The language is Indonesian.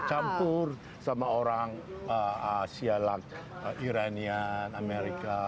campur sama orang asia iranian amerika